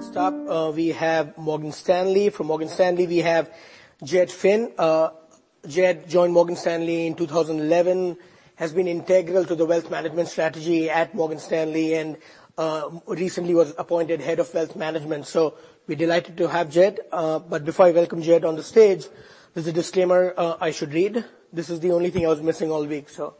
Next up, we have Morgan Stanley. From Morgan Stanley, we have Jed Finn. Jed joined Morgan Stanley in 2011, has been integral to the wealth management strategy at Morgan Stanley, and recently was appointed Head of Wealth Management. So we're delighted to have Jed. But before I welcome Jed on the stage, there's a disclaimer I should read. This is the only thing I was missing all week, so.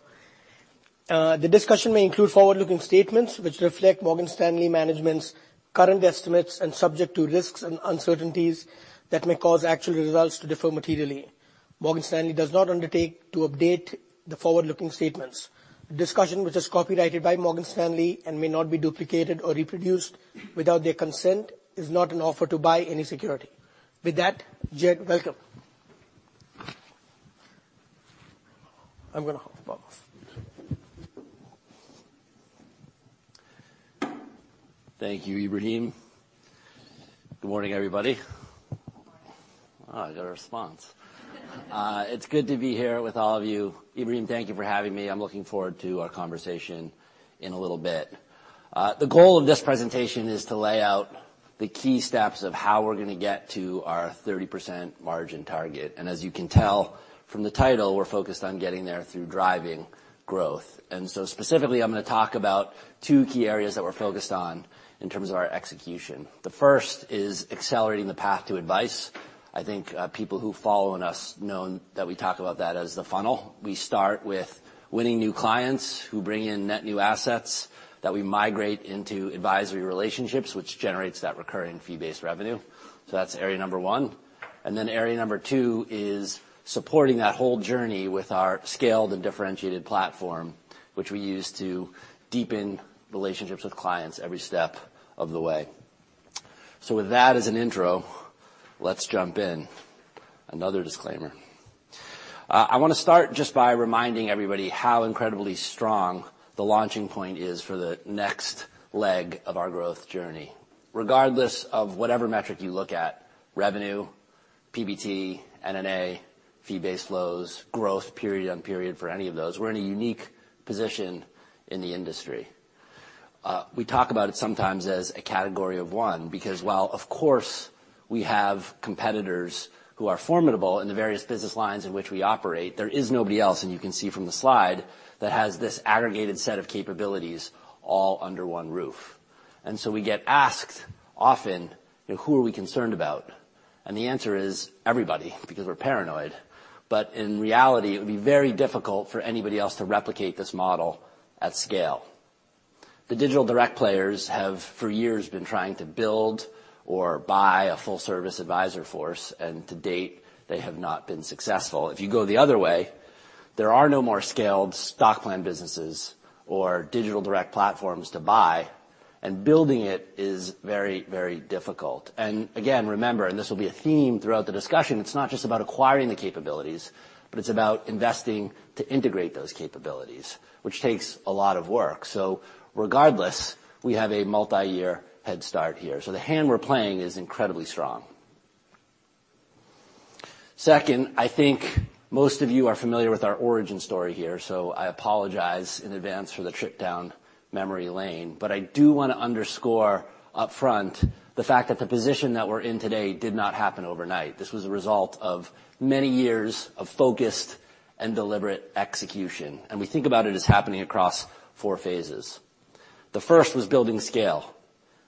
The discussion may include forward-looking statements which reflect Morgan Stanley management's current estimates and subject to risks and uncertainties that may cause actual results to differ materially. Morgan Stanley does not undertake to update the forward-looking statements. The discussion which is copyrighted by Morgan Stanley and may not be duplicated or reproduced without their consent is not an offer to buy any security. With that, Jed, welcome. I'm gonna have to bug off. Thank you, Ebrahim. Good morning, everybody. Good morning. Oh, I got a response. It's good to be here with all of you. Ebrahim, thank you for having me. I'm looking forward to our conversation in a little bit. The goal of this presentation is to lay out the key steps of how we're gonna get to our 30% margin target. And as you can tell from the title, we're focused on getting there through driving growth. And so specifically, I'm gonna talk about two key areas that we're focused on in terms of our execution. The first is accelerating the path to advice. I think, people who've followed us know that we talk about that as the funnel. We start with winning new clients who bring in net new assets that we migrate into advisory relationships, which generates that recurring fee-based revenue. So that's area number one. Then area number two is supporting that whole journey with our scaled and differentiated platform, which we use to deepen relationships with clients every step of the way. With that as an intro, let's jump in. Another disclaimer. I wanna start just by reminding everybody how incredibly strong the launching point is for the next leg of our growth journey. Regardless of whatever metric you look at, revenue, PBT, NNA, fee-based flows, growth period on period for any of those, we're in a unique position in the industry. We talk about it sometimes as a category of one because, while, of course, we have competitors who are formidable in the various business lines in which we operate, there is nobody else, and you can see from the slide, that has this aggregated set of capabilities all under one roof. And so we get asked often, you know, who are we concerned about? And the answer is everybody because we're paranoid. But in reality, it would be very difficult for anybody else to replicate this model at scale. The digital direct players have for years been trying to build or buy a full-service advisor force, and to date, they have not been successful. If you go the other way, there are no more scaled stock plan businesses or digital direct platforms to buy, and building it is very, very difficult. And again, remember, and this will be a theme throughout the discussion, it's not just about acquiring the capabilities, but it's about investing to integrate those capabilities, which takes a lot of work. So regardless, we have a multi-year head start here. So the hand we're playing is incredibly strong. Second, I think most of you are familiar with our origin story here, so I apologize in advance for the trip down memory lane. But I do wanna underscore upfront the fact that the position that we're in today did not happen overnight. This was a result of many years of focused and deliberate execution. And we think about it as happening across four phases. The first was building scale.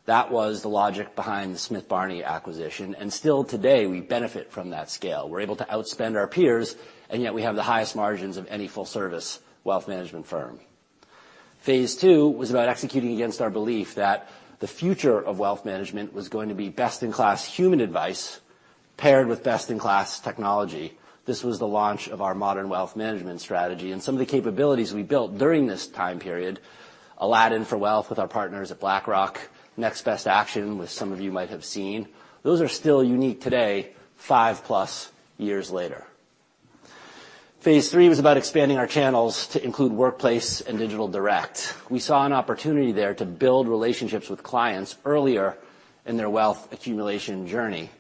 That was the logic behind the Smith Barney acquisition. And still today, we benefit from that scale. We're able to outspend our peers, and yet we have the highest margins of any full-service wealth management firm. Phase two was about executing against our belief that the future of wealth management was going to be best-in-class human advice paired with best-in-class technology. This was the launch of our modern wealth management strategy. Some of the capabilities we built during this time period, Aladdin for Wealth with our partners at BlackRock, Next Best Action with some of you might have seen, those are still unique today, 5+ years later. Phase three was about expanding our channels to include workplace and digital direct. We saw an opportunity there to build relationships with clients earlier in their wealth accumulation journey.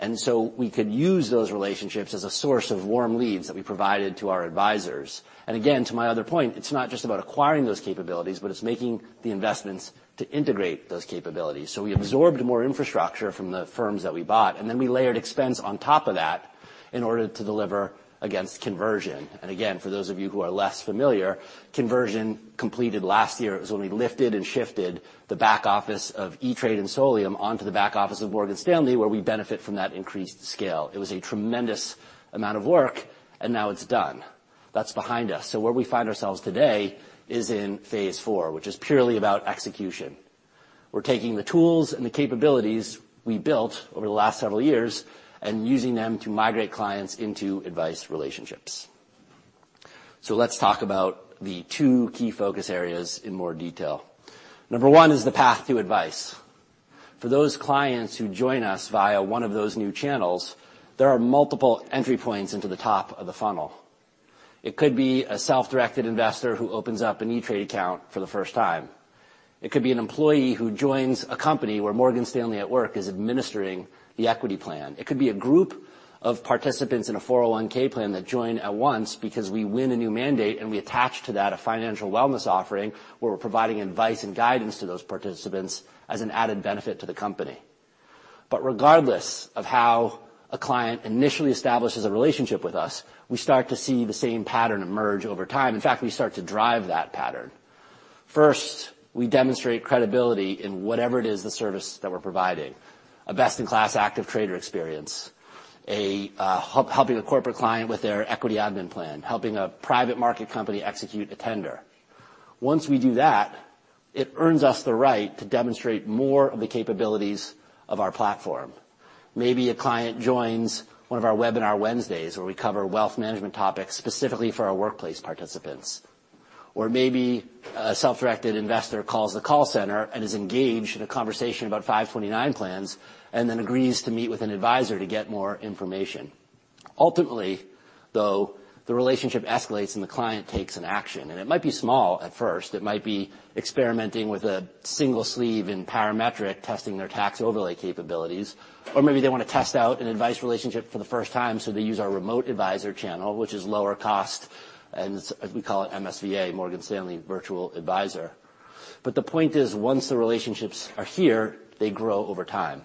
And so we could use those relationships as a source of warm leads that we provided to our advisors. And again, to my other point, it's not just about acquiring those capabilities, but it's making the investments to integrate those capabilities. So we absorbed more infrastructure from the firms that we bought, and then we layered expense on top of that in order to deliver against conversion. And again, for those of you who are less familiar, conversion completed last year. It was when we lifted and shifted the back office of E*TRADE and Solium onto the back office of Morgan Stanley, where we benefit from that increased scale. It was a tremendous amount of work, and now it's done. That's behind us. So where we find ourselves today is in phase four, which is purely about execution. We're taking the tools and the capabilities we built over the last several years and using them to migrate clients into advice relationships. So let's talk about the two key focus areas in more detail. Number one is the path to advice. For those clients who join us via one of those new channels, there are multiple entry points into the top of the funnel. It could be a self-directed investor who opens up an E*TRADE account for the first time. It could be an employee who joins a company where Morgan Stanley at Work is administering the equity plan. It could be a group of participants in a 401(k) plan that join at once because we win a new mandate, and we attach to that a financial wellness offering where we're providing advice and guidance to those participants as an added benefit to the company. But regardless of how a client initially establishes a relationship with us, we start to see the same pattern emerge over time. In fact, we start to drive that pattern. First, we demonstrate credibility in whatever it is the service that we're providing: a best-in-class active trader experience, helping a corporate client with their equity admin plan, helping a private market company execute a tender. Once we do that, it earns us the right to demonstrate more of the capabilities of our platform. Maybe a client joins one of our Webinar Wednesdays where we cover wealth management topics specifically for our workplace participants. Or maybe a self-directed investor calls the call center and is engaged in a conversation about 529 plans and then agrees to meet with an advisor to get more information. Ultimately, though, the relationship escalates and the client takes an action. And it might be small at first. It might be experimenting with a single sleeve in Parametric testing their tax overlay capabilities. Or maybe they wanna test out an advice relationship for the first time, so they use our remote advisor channel, which is lower cost, and it's we call it MSVA, Morgan Stanley Virtual Advisor. But the point is, once the relationships are here, they grow over time.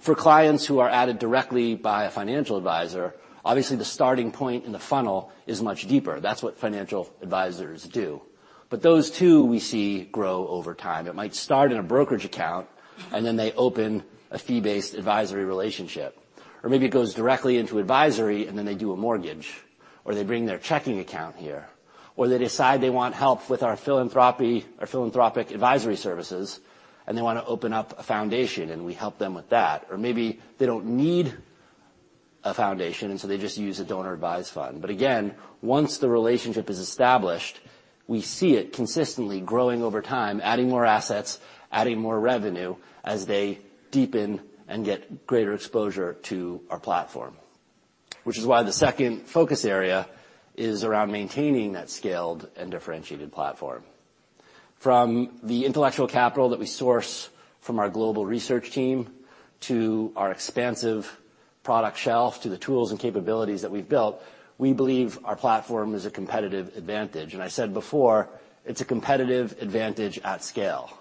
For clients who are added directly by a financial advisor, obviously, the starting point in the funnel is much deeper. That's what financial advisors do. But those two, we see, grow over time. It might start in a brokerage account, and then they open a fee-based advisory relationship. Or maybe it goes directly into advisory, and then they do a mortgage. Or they bring their checking account here. Or they decide they want help with our philanthropy or philanthropic advisory services, and they wanna open up a foundation, and we help them with that. Or maybe they don't need a foundation, and so they just use a donor-advised fund. But again, once the relationship is established, we see it consistently growing over time, adding more assets, adding more revenue as they deepen and get greater exposure to our platform, which is why the second focus area is around maintaining that scaled and differentiated platform. From the intellectual capital that we source from our global research team to our expansive product shelf to the tools and capabilities that we've built, we believe our platform is a competitive advantage. And I said before, it's a competitive advantage at scale,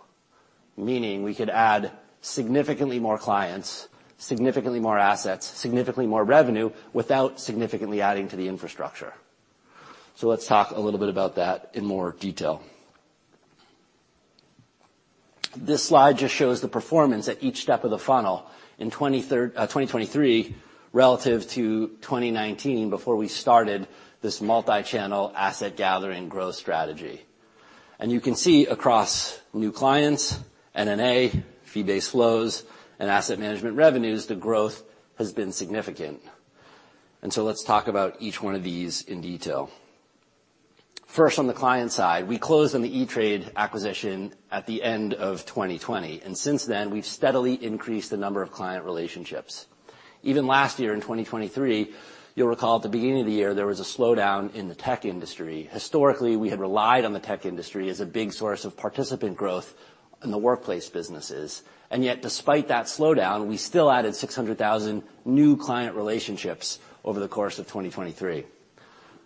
meaning we could add significantly more clients, significantly more assets, significantly more revenue without significantly adding to the infrastructure. So let's talk a little bit about that in more detail. This slide just shows the performance at each step of the funnel in 2023 relative to 2019 before we started this multi-channel asset gathering growth strategy. And you can see across new clients, NNA, fee-based flows, and asset management revenues, the growth has been significant. And so let's talk about each one of these in detail. First, on the client side, we closed on the E*TRADE acquisition at the end of 2020. Since then, we've steadily increased the number of client relationships. Even last year, in 2023, you'll recall at the beginning of the year, there was a slowdown in the tech industry. Historically, we had relied on the tech industry as a big source of participant growth in the workplace businesses. And yet, despite that slowdown, we still added 600,000 new client relationships over the course of 2023.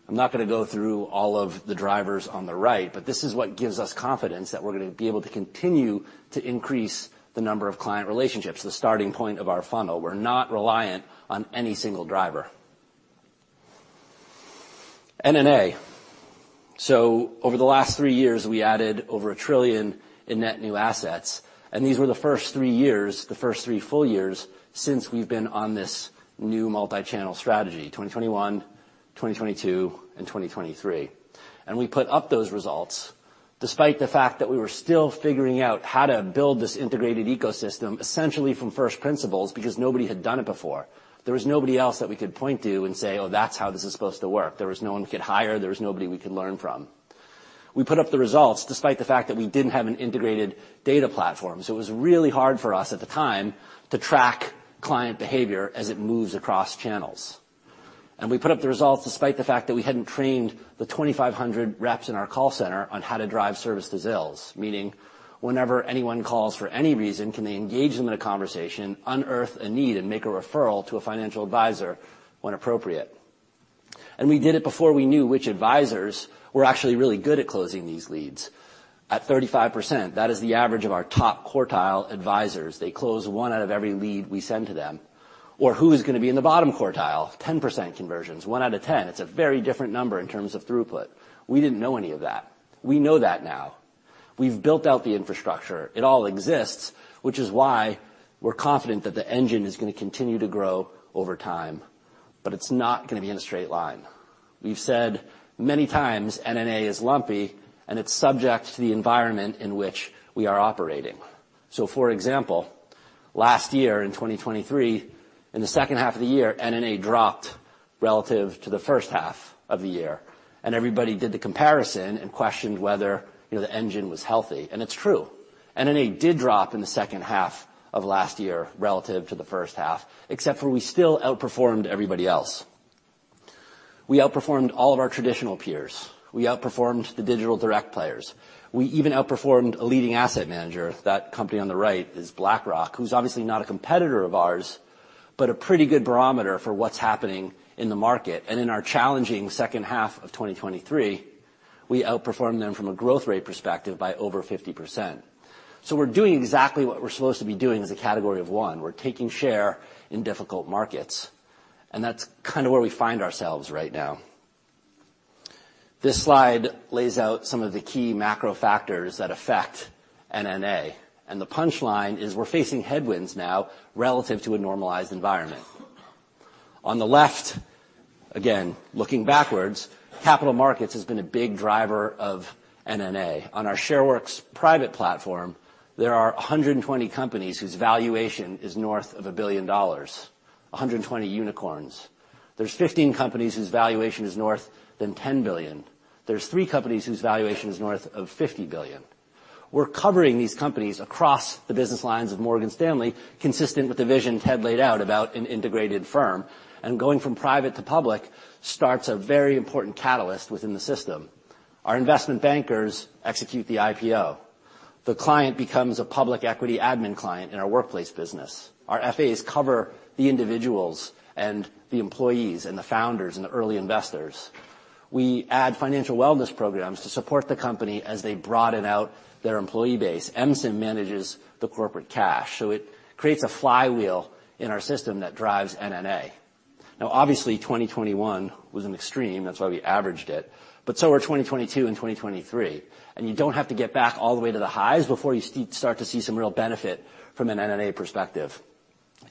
I'm not gonna go through all of the drivers on the right, but this is what gives us confidence that we're gonna be able to continue to increase the number of client relationships, the starting point of our funnel. We're not reliant on any single driver. NNA. So over the last three years, we added over $1 trillion in net new assets. These were the first three years, the first three full years since we've been on this new multi-channel strategy: 2021, 2022, and 2023. We put up those results despite the fact that we were still figuring out how to build this integrated ecosystem essentially from first principles because nobody had done it before. There was nobody else that we could point to and say, "Oh, that's how this is supposed to work." There was no one we could hire. There was nobody we could learn from. We put up the results despite the fact that we didn't have an integrated data platform. It was really hard for us at the time to track client behavior as it moves across channels. We put up the results despite the fact that we hadn't trained the 2,500 reps in our call center on how to drive service to sales, meaning whenever anyone calls for any reason, can they engage them in a conversation, unearth a need, and make a referral to a financial advisor when appropriate. We did it before we knew which advisors were actually really good at closing these leads. At 35%, that is the average of our top quartile advisors. They close 1 out of every lead we send to them. Or who is gonna be in the bottom quartile? 10% conversions, 1 out of 10. It's a very different number in terms of throughput. We didn't know any of that. We know that now. We've built out the infrastructure. It all exists, which is why we're confident that the engine is gonna continue to grow over time. But it's not gonna be in a straight line. We've said many times, NNA is lumpy, and it's subject to the environment in which we are operating. So for example, last year, in 2023, in the second half of the year, NNA dropped relative to the first half of the year. And everybody did the comparison and questioned whether, you know, the engine was healthy. And it's true. NNA did drop in the second half of last year relative to the first half, except for we still outperformed everybody else. We outperformed all of our traditional peers. We outperformed the digital direct players. We even outperformed a leading asset manager. That company on the right is BlackRock, who's obviously not a competitor of ours but a pretty good barometer for what's happening in the market. In our challenging second half of 2023, we outperformed them from a growth rate perspective by over 50%. So we're doing exactly what we're supposed to be doing as a category of one. We're taking share in difficult markets. And that's kinda where we find ourselves right now. This slide lays out some of the key macro factors that affect NNA. And the punchline is we're facing headwinds now relative to a normalized environment. On the left, again, looking backwards, capital markets have been a big driver of NNA. On our Shareworks private platform, there are 120 companies whose valuation is north of $1 billion, 120 unicorns. There's 15 companies whose valuation is north of $10 billion. There's three companies whose valuation is north of $50 billion. We're covering these companies across the business lines of Morgan Stanley consistent with the vision Ted laid out about an integrated firm. And going from private to public starts a very important catalyst within the system. Our investment bankers execute the IPO. The client becomes a public equity admin client in our workplace business. Our FAs cover the individuals and the employees and the founders and the early investors. We add financial wellness programs to support the company as they broaden out their employee base. MSIM manages the corporate cash. So it creates a flywheel in our system that drives NNA. Now, obviously, 2021 was an extreme. That's why we averaged it. But so were 2022 and 2023. And you don't have to get back all the way to the highs before you start to see some real benefit from an NNA perspective.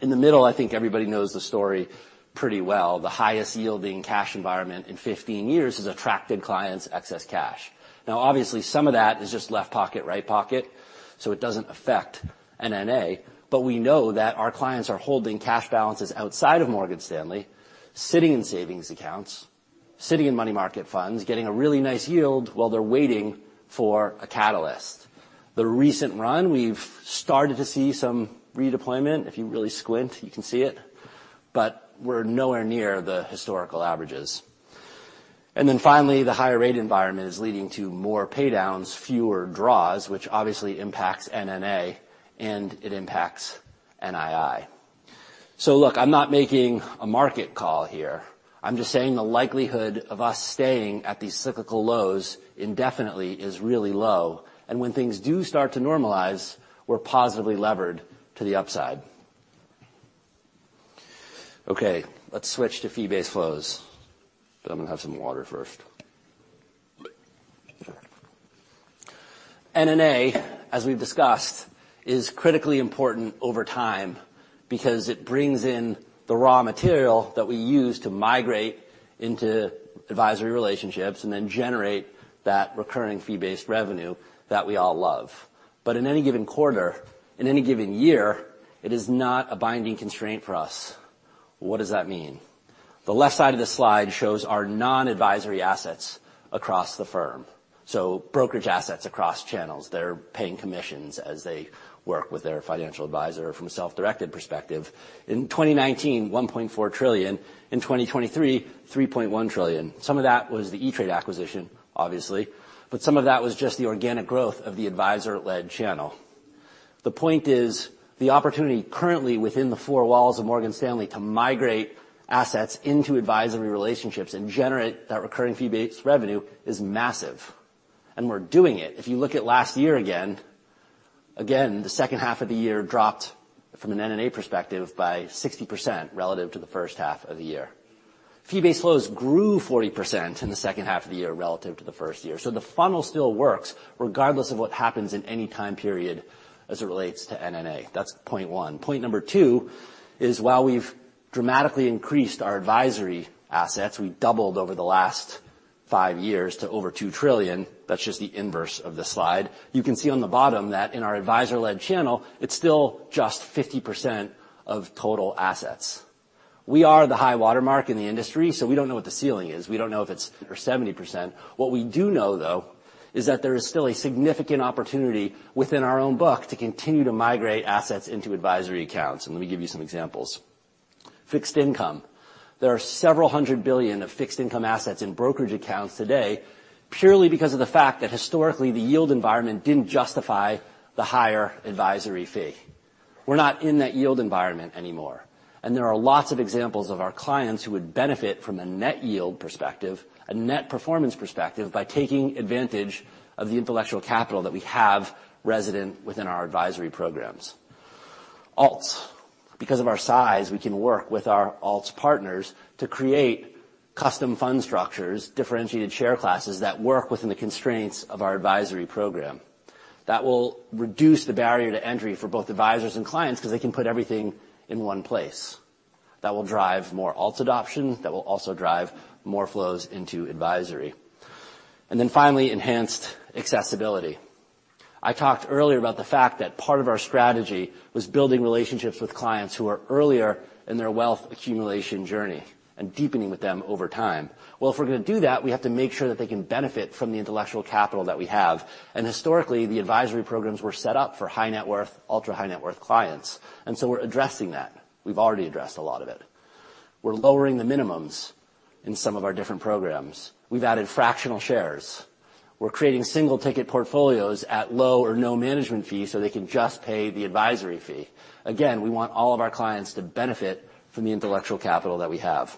In the middle, I think everybody knows the story pretty well. The highest-yielding cash environment in 15 years has attracted clients' excess cash. Now, obviously, some of that is just left pocket, right pocket, so it doesn't affect NNA. But we know that our clients are holding cash balances outside of Morgan Stanley, sitting in savings accounts, sitting in money market funds, getting a really nice yield while they're waiting for a catalyst. The recent run, we've started to see some redeployment. If you really squint, you can see it. But we're nowhere near the historical averages. And then finally, the higher-rate environment is leading to more paydowns, fewer draws, which obviously impacts NNA, and it impacts NII. So look, I'm not making a market call here. I'm just saying the likelihood of us staying at these cyclical lows indefinitely is really low. And when things do start to normalize, we're positively levered to the upside. Okay. Let's switch to fee-based flows. But I'm gonna have some water first. NNA, as we've discussed, is critically important over time because it brings in the raw material that we use to migrate into advisory relationships and then generate that recurring fee-based revenue that we all love. But in any given quarter, in any given year, it is not a binding constraint for us. What does that mean? The left side of the slide shows our non-advisory assets across the firm, so brokerage assets across channels. They're paying commissions as they work with their financial advisor from a self-directed perspective. In 2019, $1.4 trillion. In 2023, $3.1 trillion. Some of that was the E*TRADE acquisition, obviously. But some of that was just the organic growth of the advisor-led channel. The point is the opportunity currently within the four walls of Morgan Stanley to migrate assets into advisory relationships and generate that recurring fee-based revenue is massive. And we're doing it. If you look at last year again, again, the second half of the year dropped from an NNA perspective by 60% relative to the first half of the year. Fee-based flows grew 40% in the second half of the year relative to the first year. So the funnel still works regardless of what happens in any time period as it relates to NNA. That's point one. Point number two is while we've dramatically increased our advisory assets, we doubled over the last five years to over $2 trillion. That's just the inverse of the slide. You can see on the bottom that in our advisor-led channel, it's still just 50% of total assets. We are the high watermark in the industry, so we don't know what the ceiling is. We don't know if it's 70%. What we do know, though, is that there is still a significant opportunity within our own book to continue to migrate assets into advisory accounts. And let me give you some examples. Fixed income. There are $several hundred billion of fixed-income assets in brokerage accounts today purely because of the fact that historically, the yield environment didn't justify the higher advisory fee. We're not in that yield environment anymore. And there are lots of examples of our clients who would benefit from a net yield perspective, a net performance perspective, by taking advantage of the intellectual capital that we have resident within our advisory programs. Alts. Because of our size, we can work with our alts partners to create custom fund structures, differentiated share classes that work within the constraints of our advisory program. That will reduce the barrier to entry for both advisors and clients 'cause they can put everything in one place. That will drive more alts adoption. That will also drive more flows into advisory. And then finally, enhanced accessibility. I talked earlier about the fact that part of our strategy was building relationships with clients who are earlier in their wealth accumulation journey and deepening with them over time. Well, if we're gonna do that, we have to make sure that they can benefit from the intellectual capital that we have. And historically, the advisory programs were set up for high-net-worth, ultra-high-net-worth clients. And so we're addressing that. We've already addressed a lot of it. We're lowering the minimums in some of our different programs. We've added fractional shares. We're creating single-ticket portfolios at low or no management fee so they can just pay the advisory fee. Again, we want all of our clients to benefit from the intellectual capital that we have.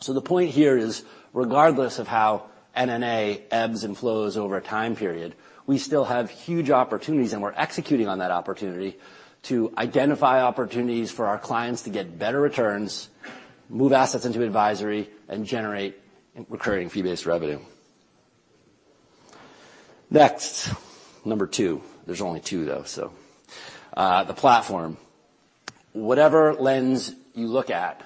So the point here is regardless of how NNA ebbs and flows over a time period, we still have huge opportunities. And we're executing on that opportunity to identify opportunities for our clients to get better returns, move assets into advisory, and generate recurring fee-based revenue. Next, number two. There's only two, though, so. The platform. Whatever lens you look at,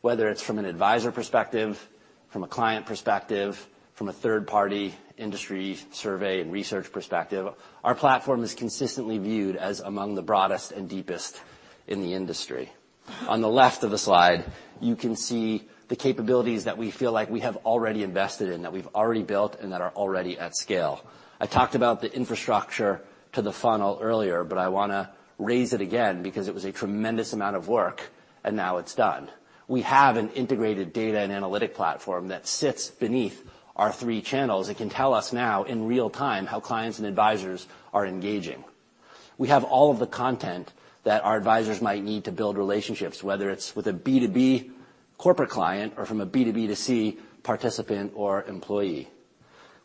whether it's from an advisor perspective, from a client perspective, from a third-party industry survey and research perspective, our platform is consistently viewed as among the broadest and deepest in the industry. On the left of the slide, you can see the capabilities that we feel like we have already invested in, that we've already built, and that are already at scale. I talked about the infrastructure to the funnel earlier, but I wanna raise it again because it was a tremendous amount of work, and now it's done. We have an integrated data and analytic platform that sits beneath our three channels. It can tell us now in real time how clients and advisors are engaging. We have all of the content that our advisors might need to build relationships, whether it's with a B2B corporate client or from a B2B2C participant or employee.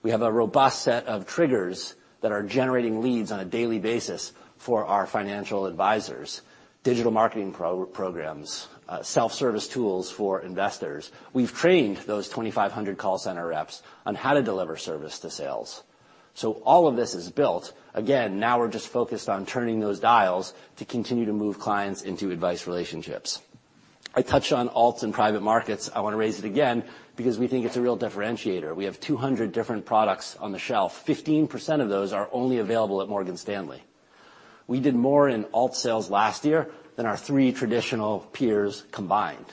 We have a robust set of triggers that are generating leads on a daily basis for our financial advisors, digital marketing programs, self-service tools for investors. We've trained those 2,500 call center reps on how to deliver service to sales. So all of this is built. Again, now we're just focused on turning those dials to continue to move clients into advice relationships. I touched on alts in private markets. I wanna raise it again because we think it's a real differentiator. We have 200 different products on the shelf. 15% of those are only available at Morgan Stanley. We did more in alt sales last year than our three traditional peers combined.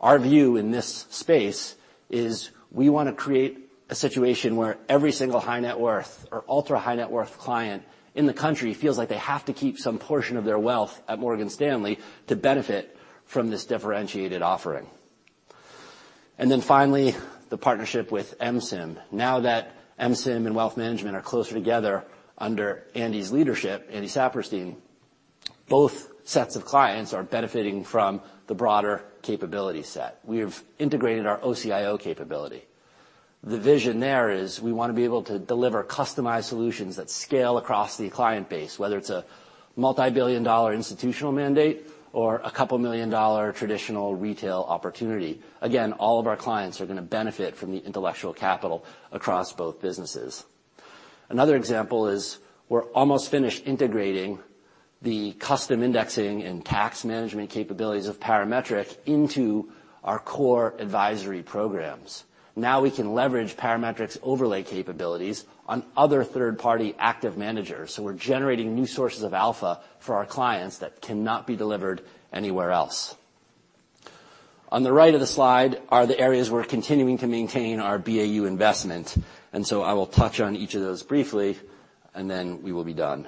Our view in this space is we wanna create a situation where every single high-net-worth or ultra-high-net-worth client in the country feels like they have to keep some portion of their wealth at Morgan Stanley to benefit from this differentiated offering. And then finally, the partnership with MSIM. Now that MSIM and wealth management are closer together under Andy's leadership, Andy Saperstein, both sets of clients are benefiting from the broader capability set. We have integrated our OCIO capability. The vision there is we wanna be able to deliver customized solutions that scale across the client base, whether it's a multibillion-dollar institutional mandate or a $2 million traditional retail opportunity. Again, all of our clients are gonna benefit from the intellectual capital across both businesses. Another example is we're almost finished integrating the custom indexing and tax management capabilities of Parametric into our core advisory programs. Now we can leverage Parametric's overlay capabilities on other third-party active managers. So we're generating new sources of alpha for our clients that cannot be delivered anywhere else. On the right of the slide are the areas we're continuing to maintain our BAU investment. And so I will touch on each of those briefly, and then we will be done.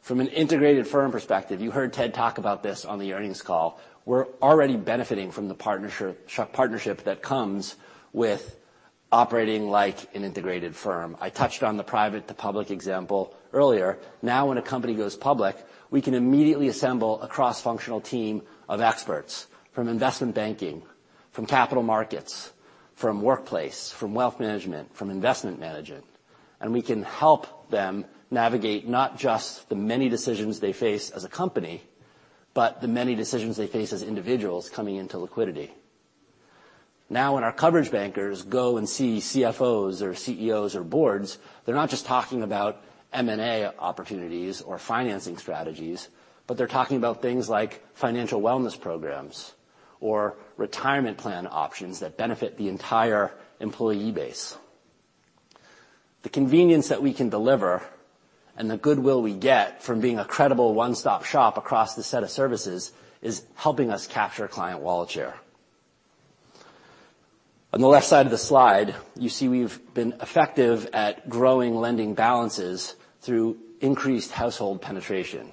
From an integrated firm perspective, you heard Ted talk about this on the earnings call. We're already benefiting from the partnership that comes with operating like an integrated firm. I touched on the private-to-public example earlier. Now when a company goes public, we can immediately assemble a cross-functional team of experts from investment banking, from capital markets, from workplace, from wealth management, from investment management. And we can help them navigate not just the many decisions they face as a company but the many decisions they face as individuals coming into liquidity. Now when our coverage bankers go and see CFOs or CEOs or boards, they're not just talking about M&A opportunities or financing strategies, but they're talking about things like financial wellness programs or retirement plan options that benefit the entire employee base. The convenience that we can deliver and the goodwill we get from being a credible one-stop shop across the set of services is helping us capture client wallet share. On the left side of the slide, you see we've been effective at growing lending balances through increased household penetration.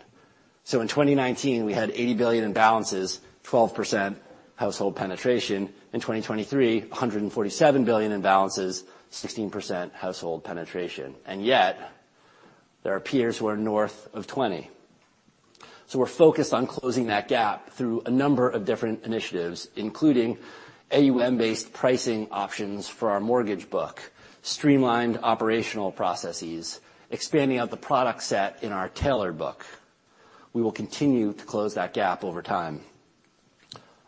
So in 2019, we had $80 billion in balances, 12% household penetration. In 2023, $147 billion in balances, 16% household penetration. And yet, there are peers who are north of 20%. So we're focused on closing that gap through a number of different initiatives, including AUM-based pricing options for our mortgage book, streamlined operational processes, expanding out the product set in our tailored book. We will continue to close that gap over time.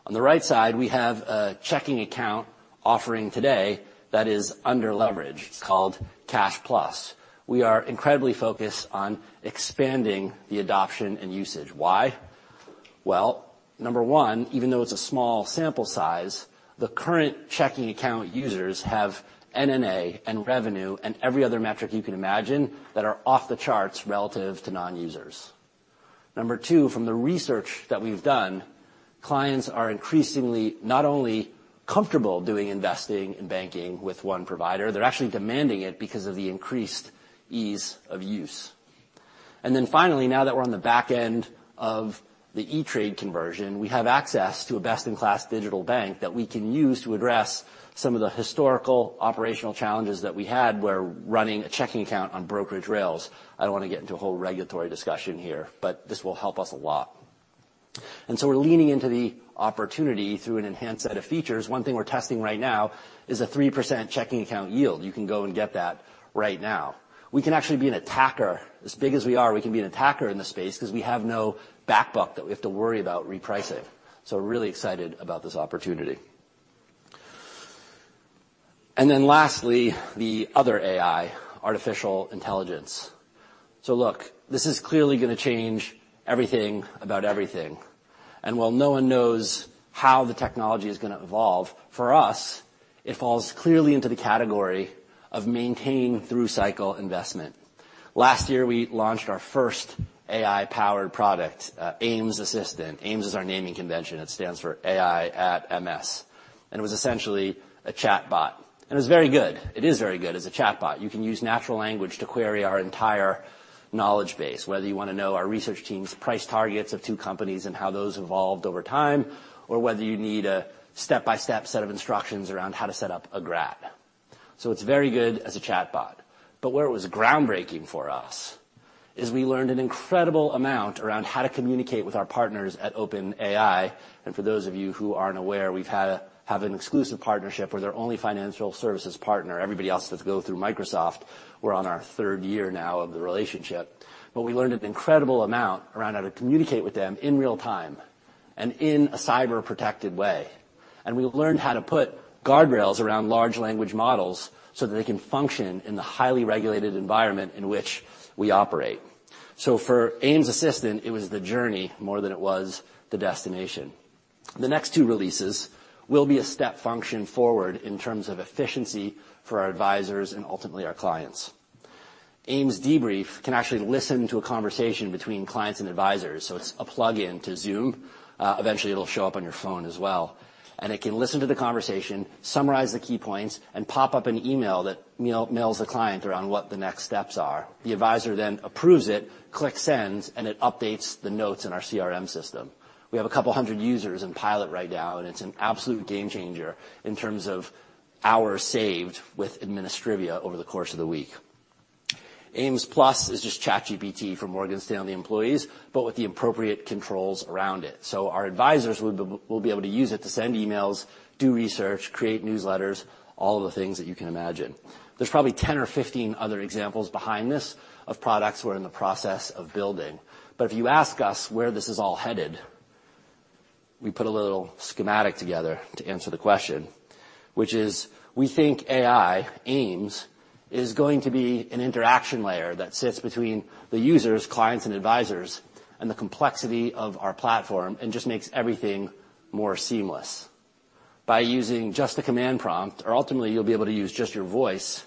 On the right side, we have a checking account offering today that is underleveraged. It's called Cash Plus. We are incredibly focused on expanding the adoption and usage. Why? Well, number one, even though it's a small sample size, the current checking account users have NNA and revenue and every other metric you can imagine that are off the charts relative to non-users. Number two, from the research that we've done, clients are increasingly not only comfortable doing investing and banking with one provider, they're actually demanding it because of the increased ease of use. And then finally, now that we're on the back end of the E*TRADE conversion, we have access to a best-in-class digital bank that we can use to address some of the historical operational challenges that we had where running a checking account on brokerage rails. I don't wanna get into a whole regulatory discussion here, but this will help us a lot. And so we're leaning into the opportunity through an enhanced set of features. One thing we're testing right now is a 3% checking account yield. You can go and get that right now. We can actually be an attacker. As big as we are, we can be an attacker in the space 'cause we have no back book that we have to worry about repricing. So really excited about this opportunity. Then lastly, the other AI, artificial intelligence. So look, this is clearly gonna change everything about everything. And while no one knows how the technology is gonna evolve, for us, it falls clearly into the category of maintain-through-cycle investment. Last year, we launched our first AI-powered product, AIMS Assistant. AIMS is our naming convention. It stands for AI at MS. And it was essentially a chatbot. And it was very good. It is very good as a chatbot. You can use natural language to query our entire knowledge base, whether you wanna know our research team's price targets of two companies and how those evolved over time or whether you need a step-by-step set of instructions around how to set up a GRAT. So it's very good as a chatbot. But where it was groundbreaking for us is we learned an incredible amount around how to communicate with our partners at OpenAI. And for those of you who aren't aware, we've had an exclusive partnership where they're only a financial services partner. Everybody else has to go through Microsoft. We're on our third year now of the relationship. But we learned an incredible amount around how to communicate with them in real time and in a cyber-protected way. We learned how to put guardrails around large language models so that they can function in the highly regulated environment in which we operate. For AIMS Assistant, it was the journey more than it was the destination. The next two releases will be a step function forward in terms of efficiency for our advisors and ultimately our clients. AIMS Debrief can actually listen to a conversation between clients and advisors. It's a plug-in to Zoom. Eventually, it'll show up on your phone as well. It can listen to the conversation, summarize the key points, and pop up an email that mails the client around what the next steps are. The advisor then approves it, clicks send, and it updates the notes in our CRM system. We have a couple hundred users in pilot right now, and it's an absolute game-changer in terms of hours saved with administrivia over the course of the week. AIMS Plus is just ChatGPT for Morgan Stanley employees but with the appropriate controls around it. So our advisors will be able to use it to send emails, do research, create newsletters, all of the things that you can imagine. There's probably 10 or 15 other examples behind this of products we're in the process of building. But if you ask us where this is all headed, we put a little schematic together to answer the question, which is we think AI, AIMS, is going to be an interaction layer that sits between the users, clients, and advisors, and the complexity of our platform and just makes everything more seamless. By using just a command prompt or ultimately, you'll be able to use just your voice,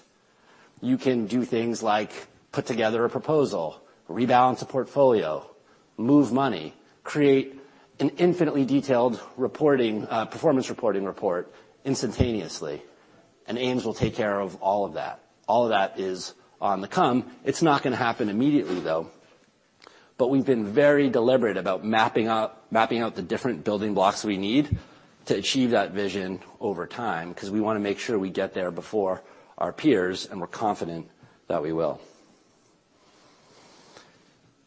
you can do things like put together a proposal, rebalance a portfolio, move money, create an infinitely detailed reporting, performance reporting report instantaneously. And AIMS will take care of all of that. All of that is on the come. It's not gonna happen immediately, though. But we've been very deliberate about mapping out mapping out the different building blocks we need to achieve that vision over time 'cause we wanna make sure we get there before our peers, and we're confident that we will.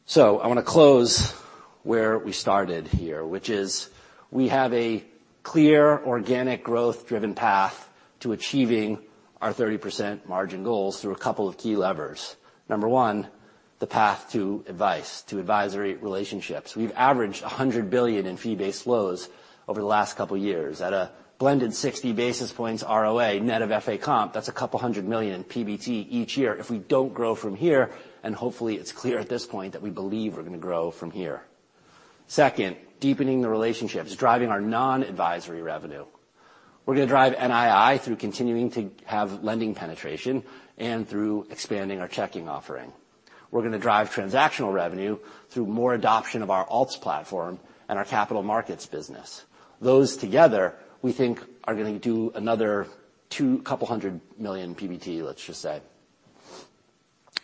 So I wanna close where we started here, which is we have a clear, organic, growth-driven path to achieving our 30% margin goals through a couple of key levers. Number one, the path to advice, to advisory relationships. We've averaged $100 billion in fee-based flows over the last couple of years at a blended 60 basis points ROA net of FA comp. That's $200 million in PBT each year if we don't grow from here. Hopefully, it's clear at this point that we believe we're gonna grow from here. Second, deepening the relationships, driving our non-advisory revenue. We're gonna drive NII through continuing to have lending penetration and through expanding our checking offering. We're gonna drive transactional revenue through more adoption of our alts platform and our capital markets business. Those together, we think, are gonna do another $200 million PBT, let's just say.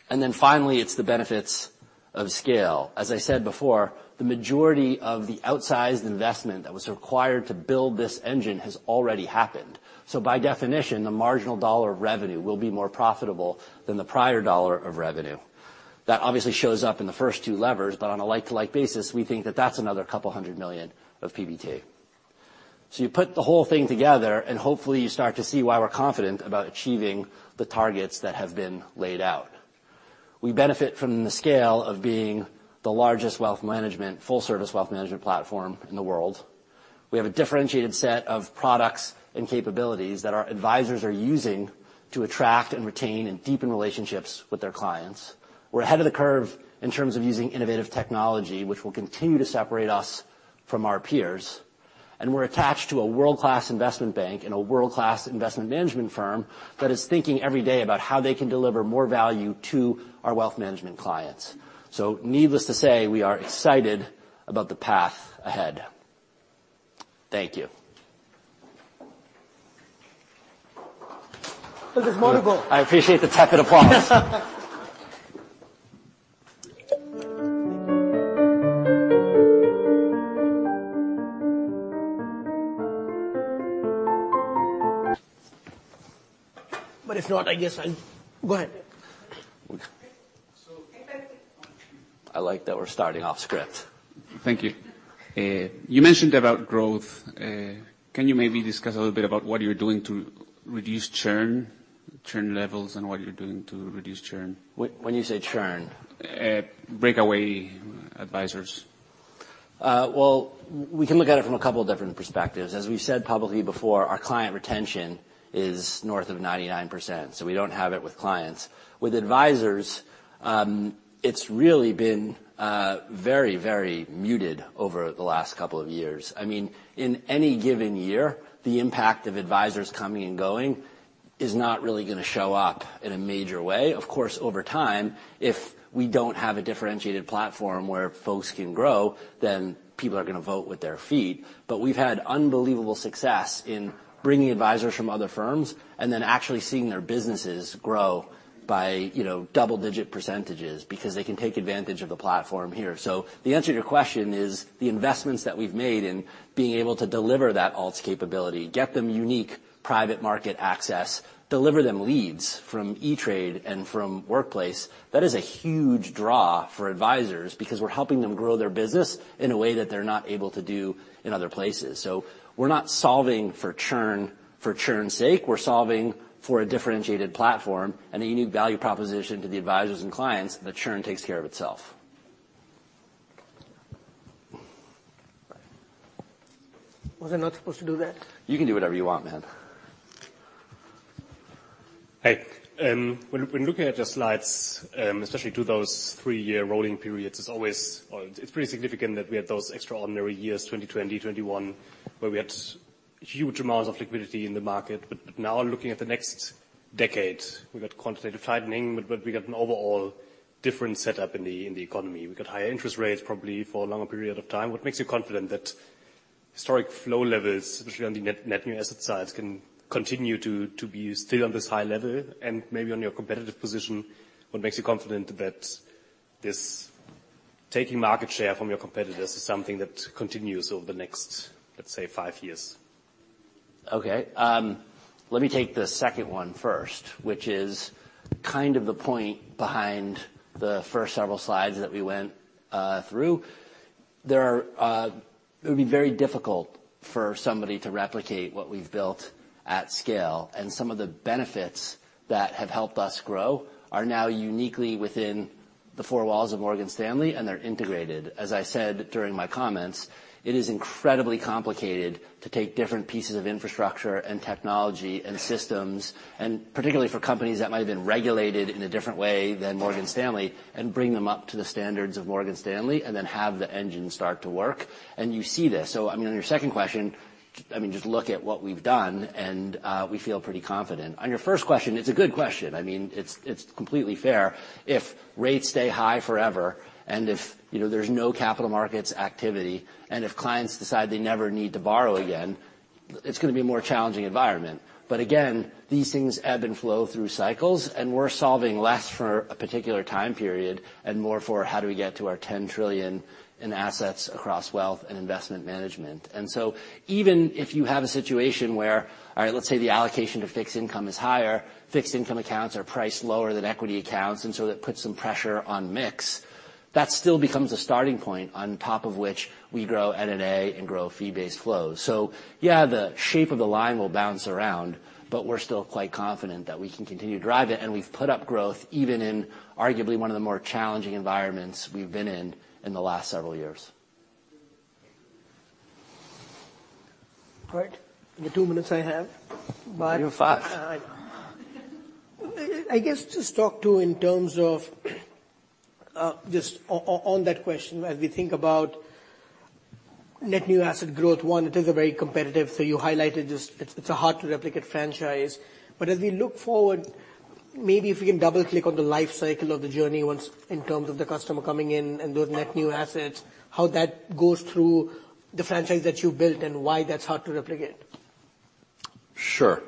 Then finally, it's the benefits of scale. As I said before, the majority of the outsized investment that was required to build this engine has already happened. So by definition, the marginal dollar of revenue will be more profitable than the prior dollar of revenue. That obviously shows up in the first two levers, but on a like-to-like basis, we think that that's another $200 million of PBT. So you put the whole thing together, and hopefully, you start to see why we're confident about achieving the targets that have been laid out. We benefit from the scale of being the largest wealth management, full-service wealth management platform in the world. We have a differentiated set of products and capabilities that our advisors are using to attract and retain and deepen relationships with their clients. We're ahead of the curve in terms of using innovative technology, which will continue to separate us from our peers. We're attached to a world-class investment bank and a world-class investment management firm that is thinking every day about how they can deliver more value to our wealth management clients. Needless to say, we are excited about the path ahead. Thank you. Look, it's more to go. I appreciate the tepid applause. But if not, I guess I'll go ahead. So, can you guys? I like that we're starting off script. Thank you. You mentioned about growth. Can you maybe discuss a little bit about what you're doing to reduce churn, churn levels, and what you're doing to reduce churn? When you say churn. breakaway advisors. Well, we can look at it from a couple different perspectives. As we've said publicly before, our client retention is north of 99%, so we don't have it with clients. With advisors, it's really been very, very muted over the last couple of years. I mean, in any given year, the impact of advisors coming and going is not really gonna show up in a major way. Of course, over time, if we don't have a differentiated platform where folks can grow, then people are gonna vote with their feet. But we've had unbelievable success in bringing advisors from other firms and then actually seeing their businesses grow by, you know, double-digit percentages because they can take advantage of the platform here. So the answer to your question is the investments that we've made in being able to deliver that alts capability, get them unique private market access, deliver them leads from E*TRADE and from workplace, that is a huge draw for advisors because we're helping them grow their business in a way that they're not able to do in other places. So we're not solving for churn for churn's sake. We're solving for a differentiated platform and a unique value proposition to the advisors and clients that churn takes care of itself. Was I not supposed to do that? You can do whatever you want, man. Hey. When looking at your slides, especially through those three-year rolling periods, it's always or it's pretty significant that we had those extraordinary years, 2020-2021, where we had huge amounts of liquidity in the market. But now, looking at the next decade, we got quantitative tightening, but we got an overall different setup in the economy. We got higher interest rates probably for a longer period of time. What makes you confident that historic flow levels, especially on the net new asset side, can continue to be still on this high level and maybe on your competitive position? What makes you confident that this taking market share from your competitors is something that continues over the next, let's say, 5 years? Okay. Let me take the second one first, which is kind of the point behind the first several slides that we went through. There, it would be very difficult for somebody to replicate what we've built at scale. And some of the benefits that have helped us grow are now uniquely within the four walls of Morgan Stanley, and they're integrated. As I said during my comments, it is incredibly complicated to take different pieces of infrastructure and technology and systems, and particularly for companies that might have been regulated in a different way than Morgan Stanley, and bring them up to the standards of Morgan Stanley and then have the engine start to work. And you see this. So, I mean, on your second question, I mean, just look at what we've done, and we feel pretty confident. On your first question, it's a good question. I mean, it's, it's completely fair. If rates stay high forever and if, you know, there's no capital markets activity and if clients decide they never need to borrow again, it's gonna be a more challenging environment. But again, these things ebb and flow through cycles, and we're solving less for a particular time period and more for how do we get to our $10 trillion in assets across wealth and investment management. And so even if you have a situation where, all right, let's say the allocation to fixed income is higher, fixed income accounts are priced lower than equity accounts, and so that puts some pressure on mix, that still becomes a starting point on top of which we grow N&A and grow fee-based flows. So yeah, the shape of the line will bounce around, but we're still quite confident that we can continue to drive it, and we've put up growth even in arguably one of the more challenging environments we've been in in the last several years. All right. The two minutes I have. But. You have 5. I know. I guess just talk to you in terms of, just on that question, as we think about net new asset growth, one, it is a very competitive. So you highlighted just it's a hard-to-replicate franchise. But as we look forward, maybe if we can double-click on the life cycle of the journey once in terms of the customer coming in and those net new assets, how that goes through the franchise that you've built and why that's hard to replicate. Sure.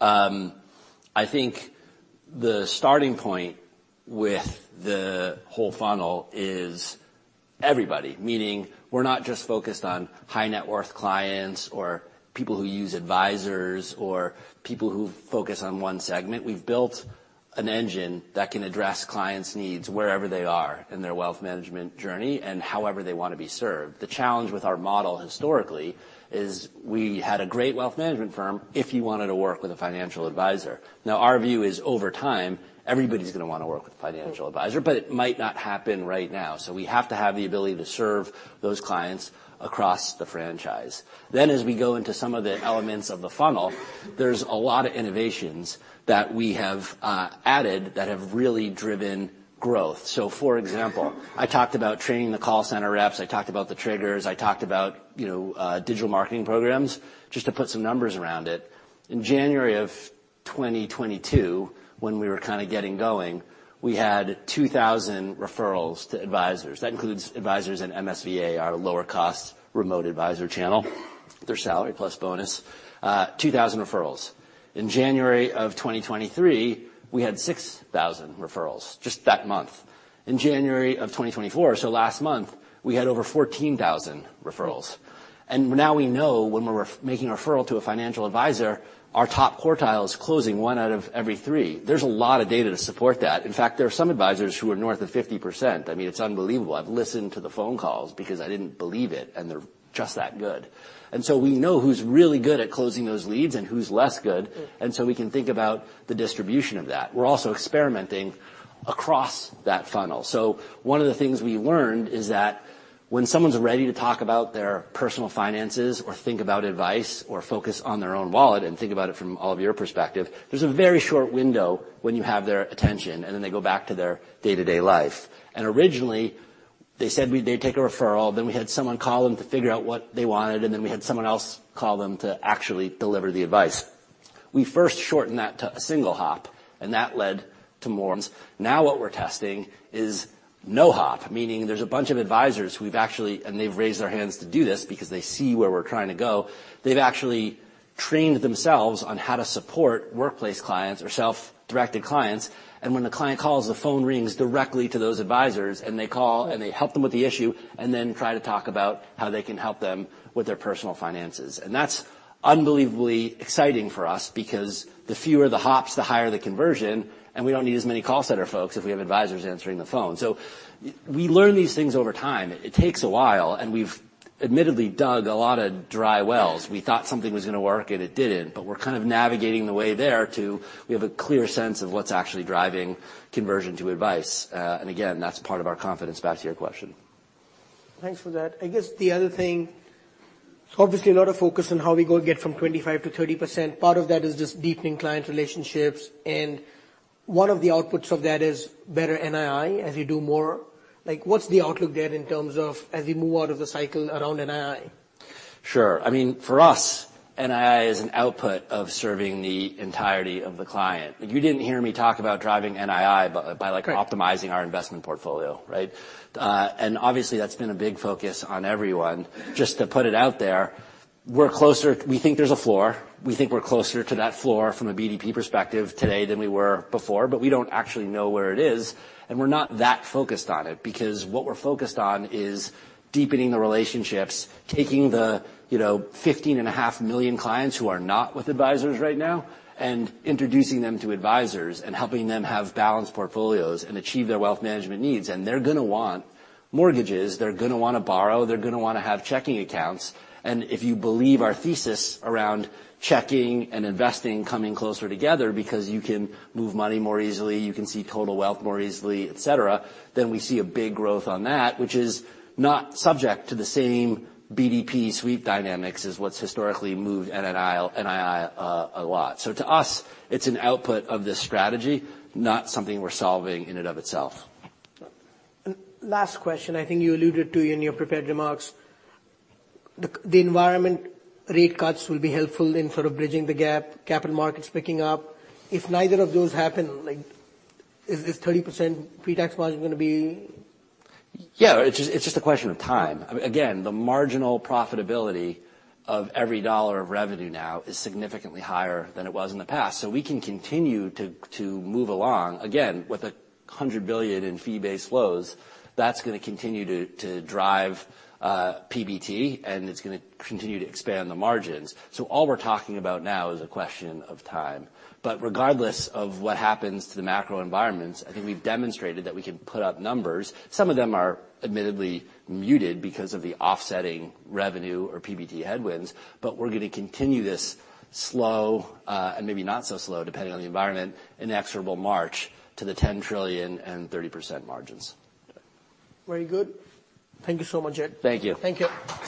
I think the starting point with the whole funnel is everybody, meaning we're not just focused on high-net-worth clients or people who use advisors or people who focus on one segment. We've built an engine that can address clients' needs wherever they are in their wealth management journey and however they wanna be served. The challenge with our model historically is we had a great wealth management firm if you wanted to work with a financial advisor. Now, our view is over time, everybody's gonna wanna work with a financial advisor, but it might not happen right now. So we have to have the ability to serve those clients across the franchise. Then as we go into some of the elements of the funnel, there's a lot of innovations that we have, added that have really driven growth. So for example, I talked about training the call center reps. I talked about the triggers. I talked about, you know, digital marketing programs, just to put some numbers around it. In January of 2022, when we were kinda getting going, we had 2,000 referrals to advisors. That includes advisors in MSVA, our lower-cost remote advisor channel. Their salary plus bonus. 2,000 referrals. In January of 2023, we had 6,000 referrals, just that month. In January of 2024, so last month, we had over 14,000 referrals. And now we know when we're making a referral to a financial advisor, our top quartile is closing one out of every three. There's a lot of data to support that. In fact, there are some advisors who are north of 50%. I mean, it's unbelievable. I've listened to the phone calls because I didn't believe it, and they're just that good. We know who's really good at closing those leads and who's less good. So we can think about the distribution of that. We're also experimenting across that funnel. So one of the things we learned is that when someone's ready to talk about their personal finances or think about advice or focus on their own wallet and think about it from all of your perspective, there's a very short window when you have their attention, and then they go back to their day-to-day life. And originally, they said they'd take a referral. Then we had someone call them to figure out what they wanted, and then we had someone else call them to actually deliver the advice. We first shortened that to a single hop, and that led to more. Now what we're testing is no hop, meaning there's a bunch of advisors who've actually and they've raised their hands to do this because they see where we're trying to go. They've actually trained themselves on how to support workplace clients or self-directed clients. When the client calls, the phone rings directly to those advisors, and they call and they help them with the issue and then try to talk about how they can help them with their personal finances. That's unbelievably exciting for us because the fewer the hops, the higher the conversion, and we don't need as many call center folks if we have advisors answering the phone. So, yeah, we learn these things over time. It takes a while, and we've admittedly dug a lot of dry wells. We thought something was gonna work, and it didn't. But we're kind of navigating the way there, too, we have a clear sense of what's actually driving conversion to advice. And again, that's part of our confidence, back to your question. Thanks for that. I guess the other thing it's obviously a lot of focus on how we go get from 25%-30%. Part of that is just deepening client relationships. One of the outputs of that is better NII as you do more. Like, what's the outlook there in terms of as we move out of the cycle around NII? Sure. I mean, for us, NII is an output of serving the entirety of the client. Like, you didn't hear me talk about driving NII but by like. Right. Optimizing our investment portfolio, right? Obviously, that's been a big focus on everyone. Just to put it out there, we're closer, we think. There's a floor. We think we're closer to that floor from a BDP perspective today than we were before, but we don't actually know where it is. We're not that focused on it because what we're focused on is deepening the relationships, taking the, you know, 15.5 million clients who are not with advisors right now, and introducing them to advisors and helping them have balanced portfolios and achieve their wealth management needs. They're gonna want mortgages. They're gonna wanna borrow. They're gonna wanna have checking accounts. If you believe our thesis around checking and investing coming closer together because you can move money more easily, you can see total wealth more easily, etc., then we see a big growth on that, which is not subject to the same BDP sweep dynamics as what's historically moved NII a lot. So to us, it's an output of this strategy, not something we're solving in and of itself. Last question. I think you alluded to in your prepared remarks. The environment, rate cuts will be helpful in sort of bridging the gap, capital markets picking up. If neither of those happen, like, is 30% pre-tax margin gonna be? Yeah. It's just a question of time. I mean, again, the marginal profitability of every dollar of revenue now is significantly higher than it was in the past. So we can continue to move along. Again, with the $100 billion in fee-based flows, that's gonna continue to drive PBT, and it's gonna continue to expand the margins. So all we're talking about now is a question of time. But regardless of what happens to the macro environments, I think we've demonstrated that we can put up numbers. Some of them are admittedly muted because of the offsetting revenue or PBT headwinds. But we're gonna continue this slow, and maybe not so slow, depending on the environment, inexorable march to the $10 trillion and 30% margins. Very good. Thank you so much, Jed. Thank you. Thank you.